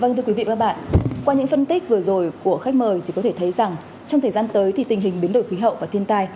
vâng thưa quý vị và các bạn qua những phân tích vừa rồi của khách mời thì có thể thấy rằng trong thời gian tới thì tình hình biến đổi khí hậu và thiên tai